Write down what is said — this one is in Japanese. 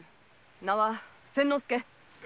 名は千之助。